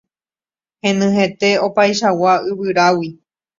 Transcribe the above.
Henyhẽte opaichagua yvyrágui.